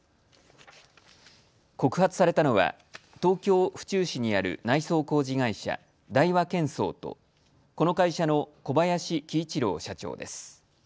告発されたのは東京府中市にある内装工事会社、大和建装とこの会社の小林希一郎社長です。